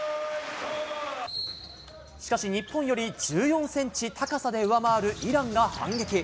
しかし日本より１４センチ高さで上回るイランが反撃。